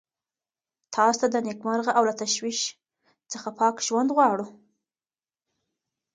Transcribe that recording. تاسو ته د نېکمرغه او له تشویش څخه پاک ژوند دعا کوم.